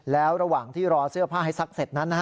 แล้วระหว่างที่รอเสื้อผ้าให้ซักเสร็จนั้น